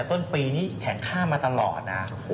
ต้นปีนี้แข็งค่ามาตลอดนะ